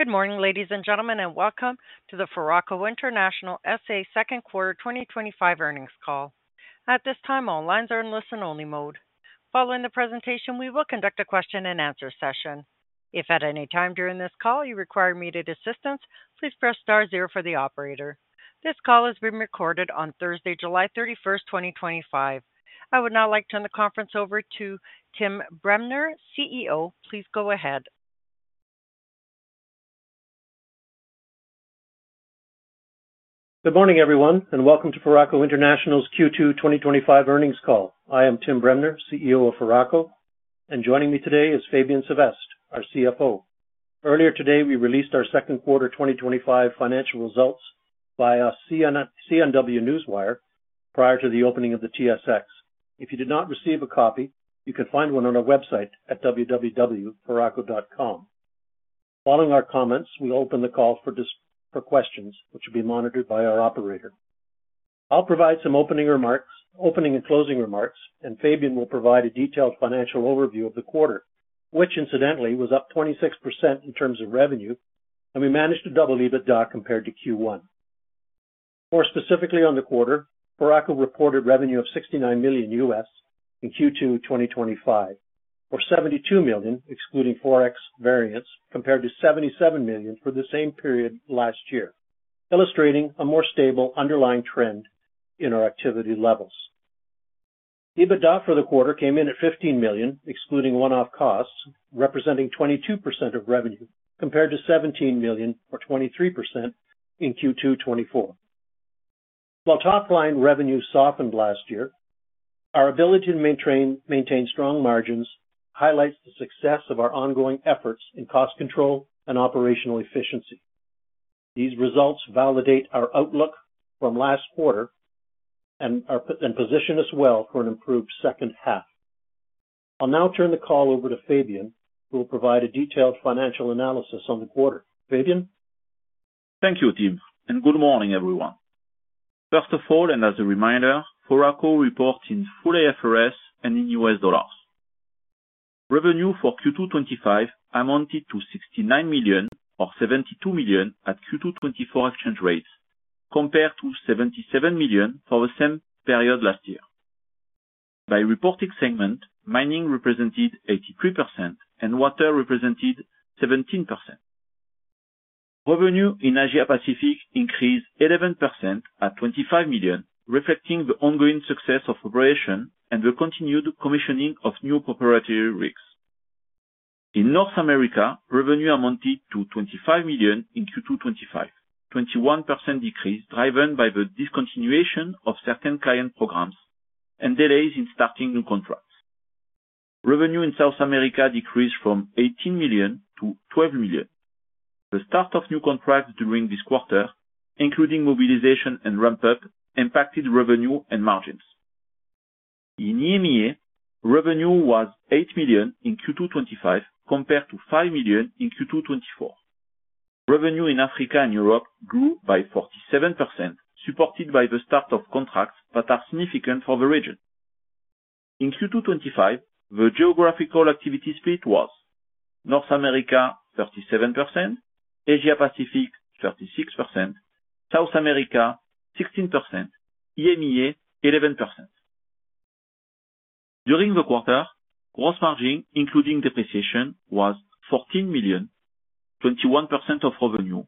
Good morning, ladies and gentlemen, and welcome to the Foraco International SA second quarter 2025 earnings call. At this time, all lines are in listen-only mode. Following the presentation, we will conduct a question-and-answer session. If at any time during this call you require immediate assistance, please press *0 for the operator. This call is being recorded on Thursday, July 31st, 2025. I would now like to turn the conference over to Tim Bremner, CEO. Please go ahead. Good morning, everyone, and welcome to Foraco International SA's Q2 2025 earnings call. I am Tim Bremner, CEO of Foraco, and joining me today is Fabien Sevestre, our CFO. Earlier today, we released our second quarter 2025 financial results via CNW Newswire prior to the opening of the TSX. If you did not receive a copy, you can find one on our website at www.foraco.com. Following our comments, we'll open the call for questions, which will be monitored by our operator. I'll provide some opening and closing remarks, and Fabien will provide a detailed financial overview of the quarter, which incidentally was up 26% in terms of revenue, and we managed to double EBITDA compared to Q1. More specifically, on the quarter, Foraco reported revenue of $69 million in Q2 2025, or $72 million excluding forex variance, compared to $77 million for the same period last year, illustrating a more stable underlying trend in our activity levels. EBITDA for the quarter came in at $15 million, excluding one-off costs, representing 22% of revenue, compared to $17 million, or 23% in Q2 2024. While top-line revenue softened last year, our ability to maintain strong margins highlights the success of our ongoing efforts in cost control and operational efficiency. These results validate our outlook from last quarter and position us well for an improved second half. I'll now turn the call over to Fabien, who will provide a detailed financial analysis on the quarter. Fabien? Thank you, Tim, and good morning, everyone. First of all, and as a reminder, Foraco International SA reports in full IFRS and in U.S. dollars. Revenue for Q2 2025 amounted to $69 million, or $72 million at Q2 2024 exchange rates, compared to $77 million for the same period last year. By reported segment, mining represented 83% and water represented 17%. Revenue in Asia-Pacific increased 11% at $25 million, reflecting the ongoing success of operation and the continued commissioning of new proprietary rigs. In North America, revenue amounted to $25 million in Q2 2025, a 21% decrease driven by the discontinuation of certain client programs and delays in starting new contracts. Revenue in South America decreased from $18 million to $12 million. The start of new contracts during this quarter, including mobilization and ramp-up, impacted revenue and margins. In EMEA, revenue was $8 million in Q2 2025, compared to $5 million in Q2 2024. Revenue in Africa and Europe grew by 47%, supported by the start of contracts that are significant for the region. In Q2 2025, the geographical activity split was North America 37%, Asia-Pacific 36%, South America 16%, and EMEA 11%. During the quarter, gross margin, including depreciation, was $14 million, 21% of revenue,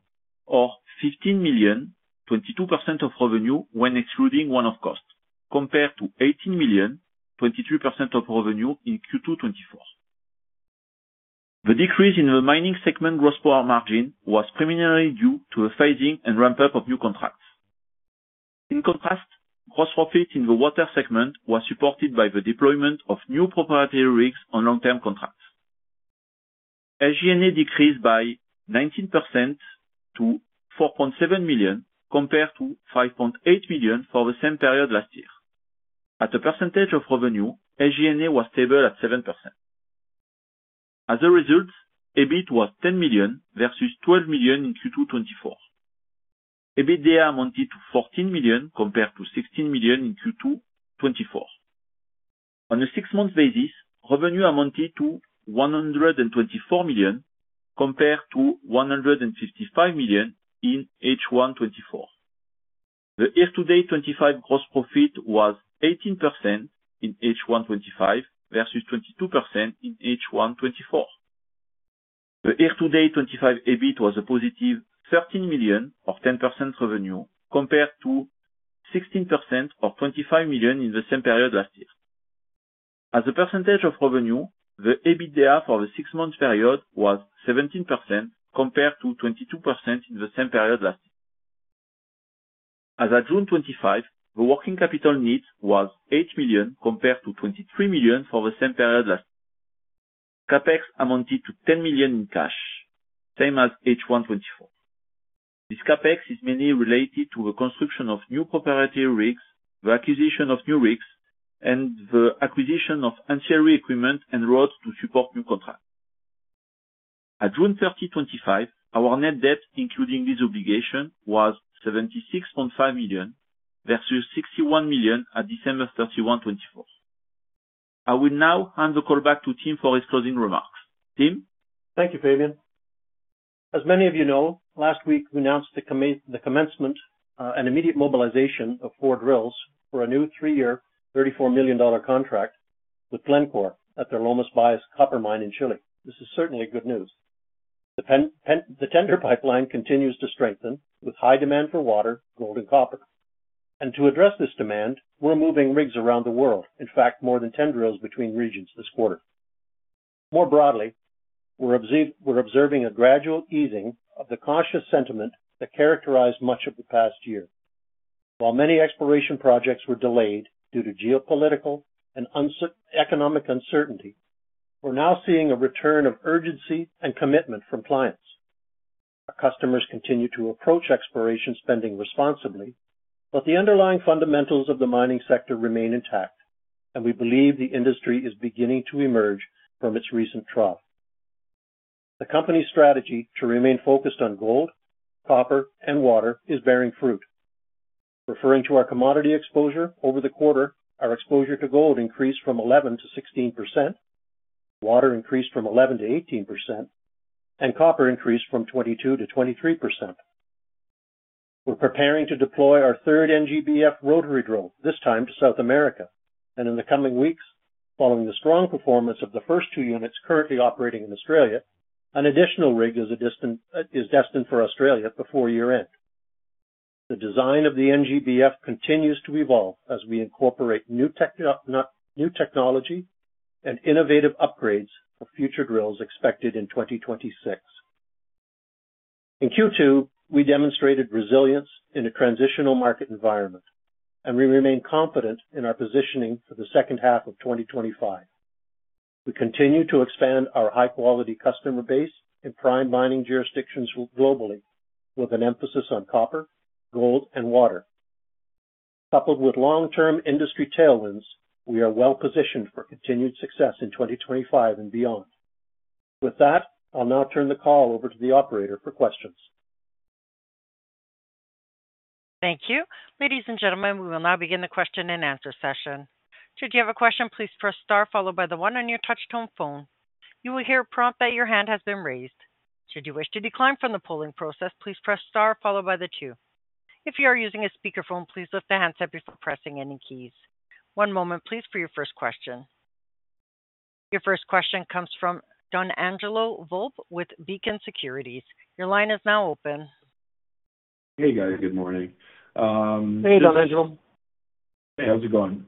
or $15 million, 22% of revenue when excluding one-off costs, compared to $18 million, 23% of revenue in Q2 2024. The decrease in the mining segment gross per hour margin was primarily due to the phasing and ramp-up of new contracts. In contrast, gross profit in the water segment was supported by the deployment of new proprietary rigs on long-term contracts. SG&A decreased by 19% to $4.7 million, compared to $5.8 million for the same period last year. As a percentage of revenue, SG&A was stable at 7%. As a result, EBITDA was $10 million versus $12 million in Q2 2024. EBITDA amounted to $14 million, compared to $16 million in Q2 2024. On a six-month basis, revenue amounted to $124 million, compared to $155 million in H1 2024. The year-to-date 2025 gross profit was 18% in H1 2025 versus 22% in H1 2024. The year-to-date 2025 EBITDA was a positive $13 million, or 10% revenue, compared to 16%, or $25 million in the same period last year. As a percentage of revenue, the EBITDA for the six-month period was 17%, compared to 22% in the same period last year. As of June 2025, the working capital needs was $8 million, compared to $23 million for the same period last year. CapEx amounted to $10 million in cash, same as H1 2024. This CapEx is mainly related to the construction of new proprietary rigs, the acquisition of new rigs, and the acquisition of ancillary equipment and roads to support new contracts. At June 30, 2025, our net debt, including this obligation, was $76.5 million versus $61 million at December 31, 2024. I will now hand the call back to Tim for his closing remarks. Tim? Thank you, Fabien. As many of you know, last week we announced the commencement and immediate mobilization of four drills for a new three-year, $34 million contract with Glencore at their Lomas Bayas copper mine in Chile. This is certainly good news. The tender pipeline continues to strengthen with high demand for water, gold, and copper. To address this demand, we're moving rigs around the world, in fact, more than 10 drills between regions this quarter. More broadly, we're observing a gradual easing of the cautious sentiment that characterized much of the past year. While many exploration projects were delayed due to geopolitical and economic uncertainty, we're now seeing a return of urgency and commitment from clients. Our customers continue to approach exploration spending responsibly, but the underlying fundamentals of the mining sector remain intact, and we believe the industry is beginning to emerge from its recent trough. The company's strategy to remain focused on gold, copper, and water is bearing fruit. Referring to our commodity exposure over the quarter, our exposure to gold increased from 11% to 16%, water increased from 11% to 18%, and copper increased from 22% to 23%. We're preparing to deploy our third NGBF rotary drill, this time to South America, and in the coming weeks, following the strong performance of the first two units currently operating in Australia, an additional rig is destined for Australia before year-end. The design of the NGBF continues to evolve as we incorporate new technology and innovative upgrades for future drills expected in 2026. In Q2, we demonstrated resilience in a transitional market environment, and we remain confident in our positioning for the second half of 2025. We continue to expand our high-quality customer base in prime mining jurisdictions globally, with an emphasis on copper, gold, and water. Coupled with long-term industry tailwinds, we are well positioned for continued success in 2025 and beyond. With that, I'll now turn the call over to the operator for questions. Thank you. Ladies and gentlemen, we will now begin the question-and-answer session. Should you have a question, please press * followed by the 1 on your touch-tone phone. You will hear a prompt that your hand has been raised. Should you wish to decline from the polling process, please press * followed by the 2. If you are using a speaker phone, please lift the handset before pressing any keys. One moment, please, for your first question. Your first question comes from Donangelo Volpe with Beacon Securities. Your line is now open. Hey, guys. Good morning. Hey, Donangelo. Hey, how's it going?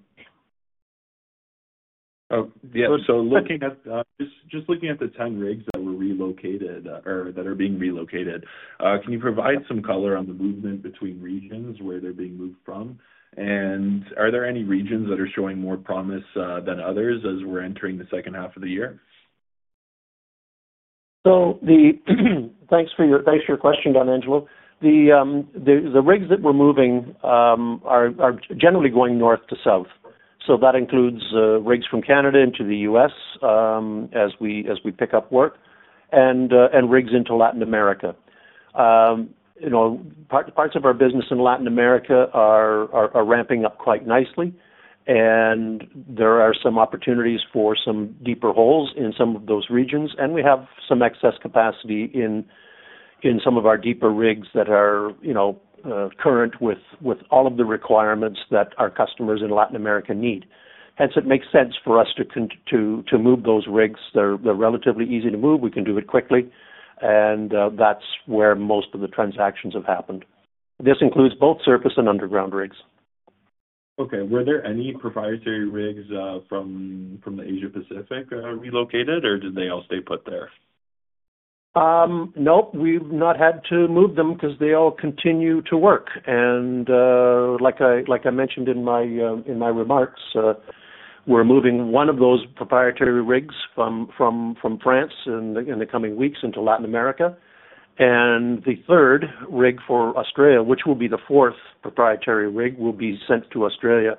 Yeah, looking at the 10 rigs that were relocated or that are being relocated, can you provide some color on the movement between regions, where they're being moved from? Are there any regions that are showing more promise than others as we're entering the second half of the year? Thank you for your question, Donangelo. The rigs that we're moving are generally going north to south. That includes rigs from Canada into the U.S. as we pick up work and rigs into Latin America. Parts of our business in Latin America are ramping up quite nicely, and there are some opportunities for some deeper holes in some of those regions. We have some excess capacity in some of our deeper rigs that are current with all of the requirements that our customers in Latin America need. It makes sense for us to move those rigs. They're relatively easy to move, we can do it quickly, and that's where most of the transactions have happened. This includes both surface and underground rigs. Okay. Were there any proprietary rigs from the Asia-Pacific that are relocated, or did they all stay put there? Nope. We've not had to move them because they all continue to work. Like I mentioned in my remarks, we're moving one of those proprietary rigs from France in the coming weeks into Latin America. The third rig for Australia, which will be the fourth proprietary rig, will be sent to Australia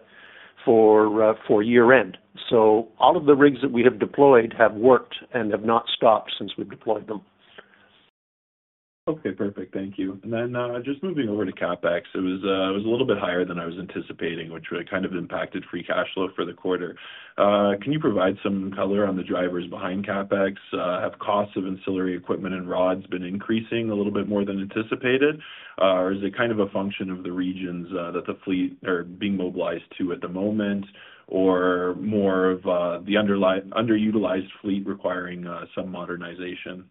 for year-end. All of the rigs that we have deployed have worked and have not stopped since we've deployed them. Okay. Perfect. Thank you. Just moving over to CapEx, it was a little bit higher than I was anticipating, which kind of impacted free cash flow for the quarter. Can you provide some color on the drivers behind CapEx? Have costs of ancillary equipment and rods been increasing a little bit more than anticipated, or is it kind of a function of the regions that the fleet are being mobilized to at the moment, or more of the underutilized fleet requiring some modernization?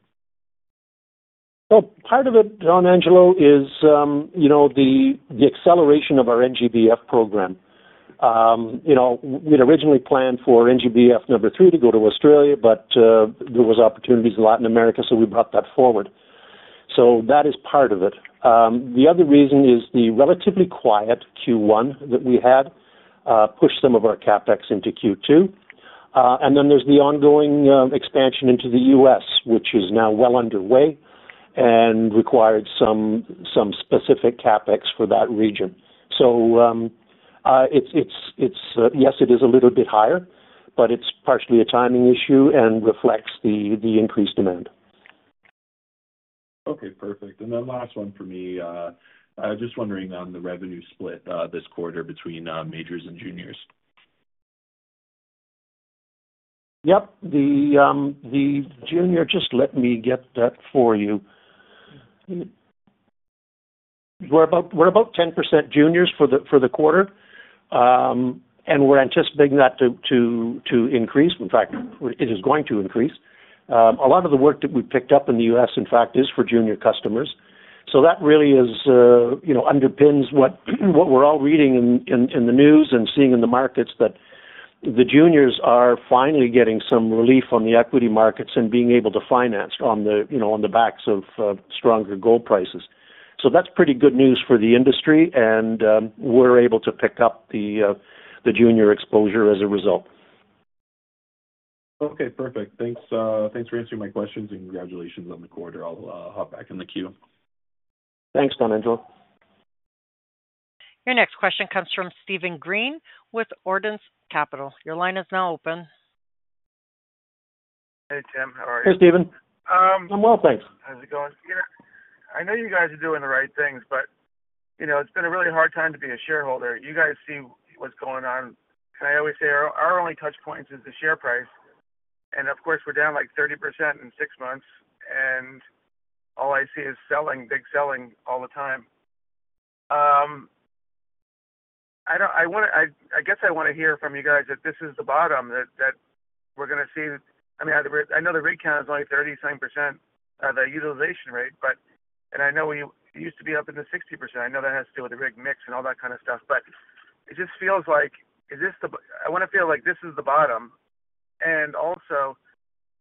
Part of it, Donangelo, is the acceleration of our NGBF program. We had originally planned for NGBF number three to go to Australia, but there were opportunities in Latin America, so we brought that forward. That is part of it. The other reason is the relatively quiet Q1 that we had pushed some of our CapEx into Q2. There's the ongoing expansion into the U.S., which is now well underway and required some specific CapEx for that region. Yes, it is a little bit higher, but it's partially a timing issue and reflects the increased demand. Okay. Perfect. Last one for me. I was just wondering on the revenue split this quarter between majors and juniors. Yep. Let me get that for you. We're about 10% juniors for the quarter, and we're anticipating that to increase. In fact, it is going to increase. A lot of the work that we picked up in the U.S., in fact, is for junior customers. That really underpins what we're all reading in the news and seeing in the markets, that the juniors are finally getting some relief on the equity markets and being able to finance on the backs of stronger gold prices. That's pretty good news for the industry, and we're able to pick up the junior exposure as a result. Okay. Perfect. Thanks for answering my questions, and congratulations on the quarter. I'll hop back in the queue. Thanks, Donangelo. Your next question comes from Steven Green with Ordinance Capital. Your line is now open. Hey, Tim. How are you? Hey, Steven. I'm well, thanks. How's it going? You know, I know you guys are doing the right things, but it's been a really hard time to be a shareholder. You guys see what's going on. I always say our only touch point is the share price. Of course, we're down like 30% in six months, and all I see is selling, big selling all the time. I want to hear from you guys that this is the bottom, that we're going to see. I mean, I know the recount is only 30-some % of the utilization rate, but I know it used to be up in the 60%. I know that has to do with the rig mix and all that kind of stuff, but it just feels like, is this the, I want to feel like this is the bottom.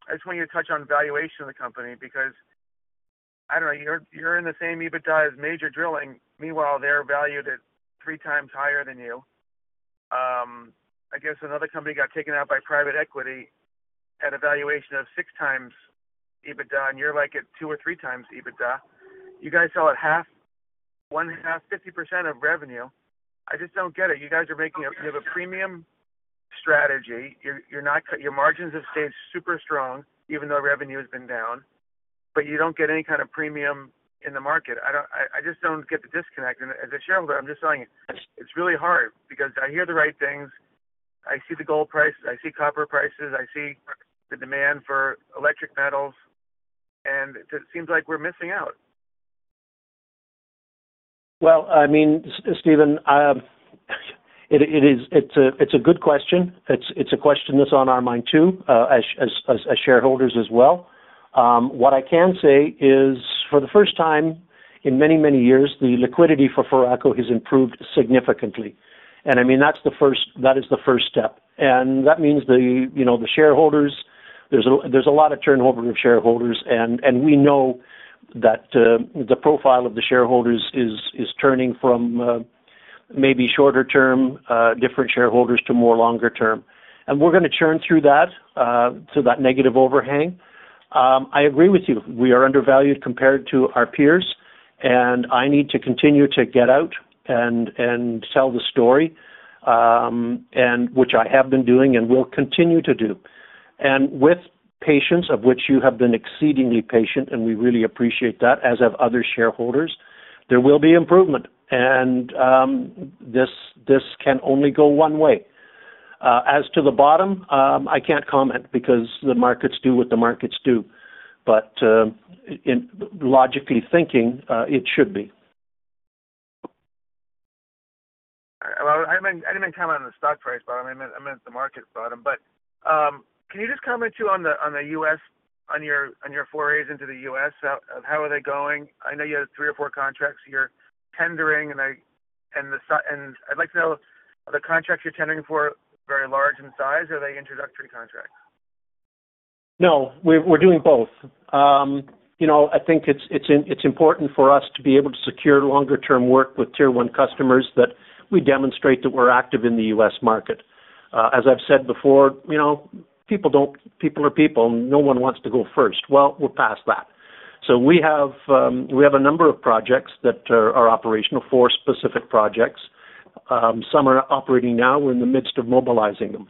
I just want you to touch on valuation of the company because I don't know, you're in the same EBITDA as Major Drilling. Meanwhile, they're valued at three times higher than you. Another company got taken out by private equity at a valuation of six times EBITDA, and you're like at two or three times EBITDA. You guys sell at half, one half, 50% of revenue. I just don't get it. You guys are making a, you have a premium strategy. Your margins have stayed super strong, even though revenue has been down, but you don't get any kind of premium in the market. I just don't get the disconnect. As a shareholder, I'm just telling you, it's really hard because I hear the right things. I see the gold prices. I see copper prices. I see the demand for electric metals, and it seems like we're missing out. Steven, it's a good question. It's a question that's on our mind too as shareholders as well. What I can say is, for the first time in many, many years, the liquidity for Foraco has improved significantly. That is the first step. That means the shareholders, there's a lot of turnover of shareholders, and we know that the profile of the shareholders is turning from maybe shorter-term different shareholders to more longer-term. We're going to churn through that, so that negative overhang. I agree with you. We are undervalued compared to our peers, and I need to continue to get out and sell the story, which I have been doing and will continue to do. With patience, of which you have been exceedingly patient, and we really appreciate that, as have other shareholders, there will be improvement. This can only go one way. As to the bottom, I can't comment because the markets do what the markets do. Logically thinking, it should be. All right. I didn't mean to comment on the stock price, I meant the market's bottom. Can you just comment too on the U.S., on your forays into the U.S.? How are they going? I know you have three or four contracts you're tendering, and I'd like to know, are the contracts you're tendering for very large in size, or are they introductory contracts? No, we're doing both. I think it's important for us to be able to secure longer-term work with Tier 1 customers that we demonstrate that we're active in the U.S. market. As I've said before, people don't, people are people, and no one wants to go first. We're past that. We have a number of projects that are operational for specific projects. Some are operating now. We're in the midst of mobilizing them.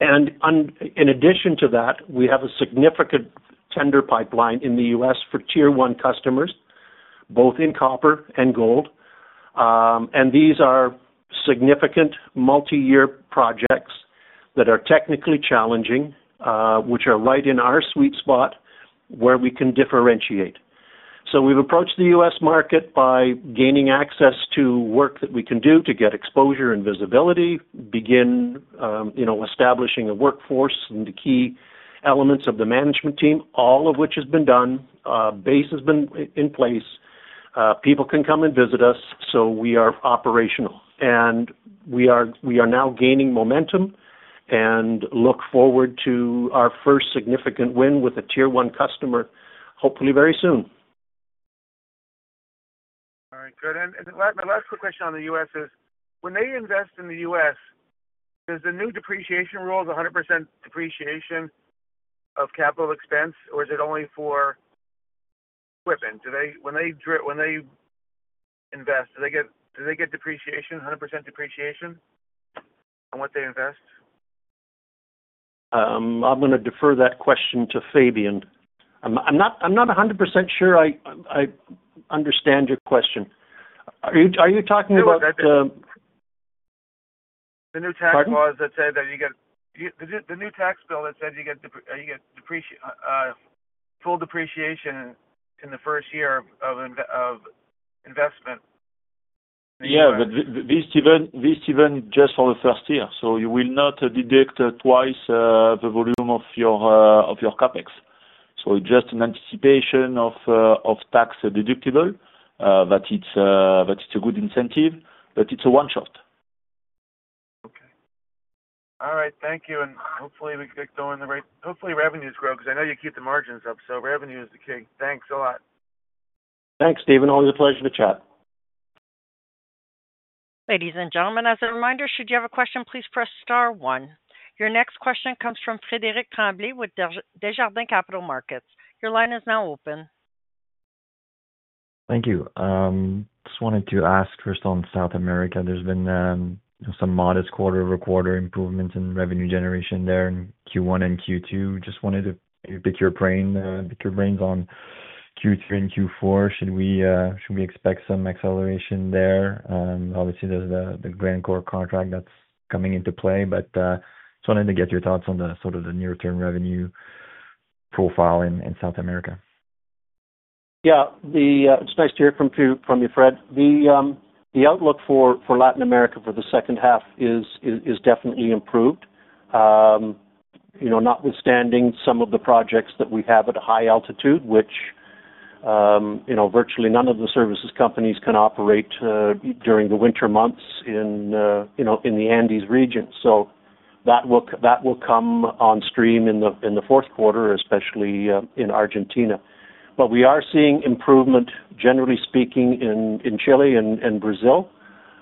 In addition to that, we have a significant tender pipeline in the U.S. for Tier 1 customers, both in copper and gold. These are significant multi-year projects that are technically challenging, which are right in our sweet spot where we can differentiate. We've approached the U.S. market by gaining access to work that we can do to get exposure and visibility, begin establishing a workforce and the key elements of the management team, all of which has been done. Base has been in place. People can come and visit us. We are operational. We are now gaining momentum and look forward to our first significant win with a Tier 1 customer, hopefully very soon. All right. Good. My last quick question on the U.S. is, when they invest in the U.S., does the new depreciation rule mean 100% depreciation of capital expense, or is it only for equipment? When they invest, do they get 100% depreciation on what they invest? I'm going to defer that question to Fabien. I'm not 100% sure I understand your question. Are you talking about the new tax laws that say that you get the new tax bill that said you get full depreciation in the first year of investment? Yeah, this is even just for the first year. You will not deduct twice the volume of your CapEx. It's just an anticipation of tax deductible, it's a good incentive, it's a one-shot. All right. Thank you. Hopefully, we can get going the right way. Hopefully, revenues grow because I know you keep the margins up. Revenue is the key. Thanks a lot. Thanks, Steven. Always a pleasure to chat. Ladies and gentlemen, as a reminder, should you have a question, please press *1. Your next question comes from Frederic Tremblay with Desjardins Capital Markets. Your line is now open. Thank you. I just wanted to ask, first on South America, there's been some modest quarter-over-quarter improvements in revenue generation there in Q1 and Q2. I just wanted to pick your brains on Q3 and Q4. Should we expect some acceleration there? Obviously, there's the Glencore contract that's coming into play, but I just wanted to get your thoughts on the sort of the near-term revenue profile in South America. Yeah, it's nice to hear from you, Fred. The outlook for Latin America for the second half is definitely improved, notwithstanding some of the projects that we have at a high altitude, which virtually none of the services companies can operate during the winter months in the Andes region. That will come on stream in the fourth quarter, especially in Argentina. We are seeing improvement, generally speaking, in Chile and Brazil.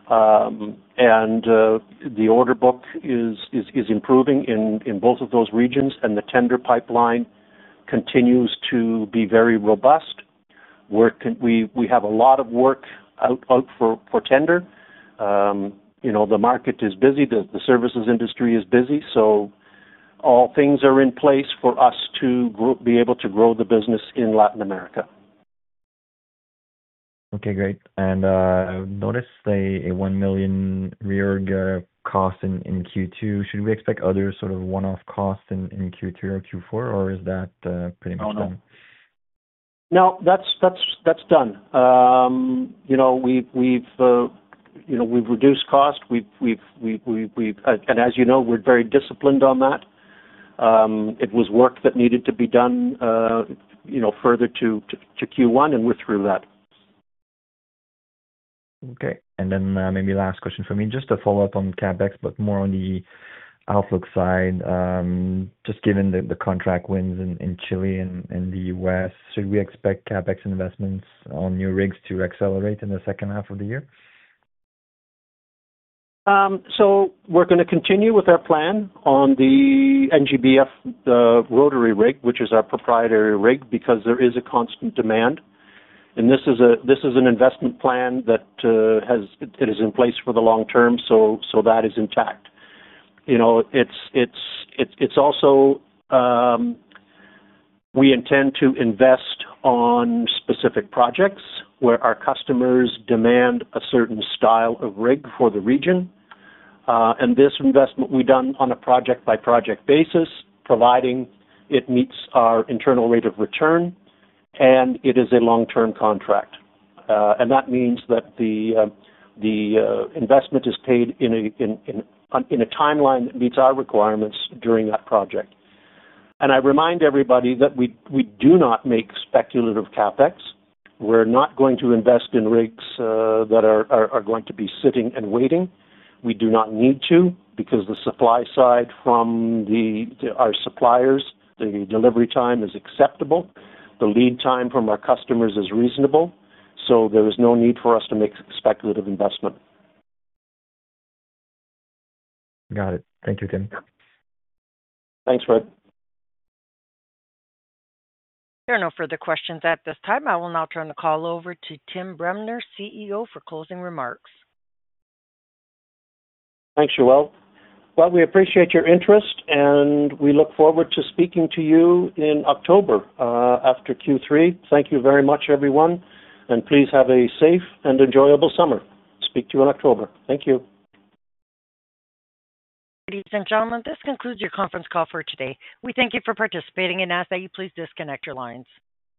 The order book is improving in both of those regions, and the tender pipeline continues to be very robust. We have a lot of work out for tender. You know, the market is busy. The services industry is busy. All things are in place for us to be able to grow the business in Latin America. Okay, great. I noticed a $1 million reorganization cost in Q2. Should we expect other sort of one-off costs in Q3 or Q4, or is that pretty much done? No, that's done. You know, we've reduced cost, and as you know, we're very disciplined on that. It was work that needed to be done further to Q1, and we threw that. Okay. Maybe last question for me, just to follow up on CapEx, but more on the outlook side. Just given the contract wins in Chile and the U.S., should we expect CapEx investments on new rigs to accelerate in the second half of the year? We're going to continue with our plan on the NGBF, the rotary rig, which is our proprietary rig because there is a constant demand. This is an investment plan that is in place for the long term, so that is intact. It's also, we intend to invest on specific projects where our customers demand a certain style of rig for the region. This investment we've done on a project-by-project basis, providing it meets our internal rate of return, and it is a long-term contract. That means that the investment is paid in a timeline that meets our requirements during that project. I remind everybody that we do not make speculative CapEx. We're not going to invest in rigs that are going to be sitting and waiting. We do not need to because the supply side from our suppliers, the delivery time is acceptable. The lead time from our customers is reasonable, so there is no need for us to make speculative investment. Got it. Thank you, Tim. Thanks, Fred. There are no further questions at this time. I will now turn the call over to Tim Bremner, CEO, for closing remarks. Thanks, Joelle. We appreciate your interest, and we look forward to speaking to you in October after Q3. Thank you very much, everyone. Please have a safe and enjoyable summer. Speak to you in October. Thank you. Ladies and gentlemen, this concludes your conference call for today. We thank you for participating and ask that you please disconnect your lines.